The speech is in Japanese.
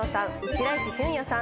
白石隼也さん。